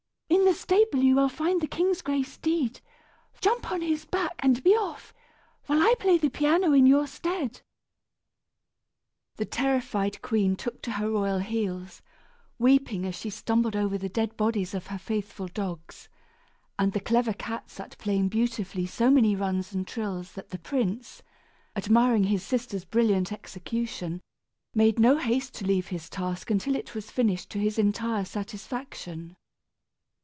In the stable you will find the king's gray steed. Jump upon his back, and be off, while I play the piano in your stead." The terrified queen took to her royal heels, weeping as she stumbled over the dead bodies of her faithful dogs, and the clever cat sat playing beautifully so many runs and trills that the prince, admiring his sister's brilliant execution, made no haste to leave his task until it was finished to his entire satisfaction.